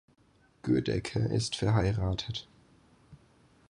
Gödecke ist verheiratet.